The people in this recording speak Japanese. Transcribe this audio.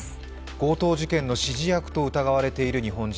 強盗事件の指示役と疑われている日本人。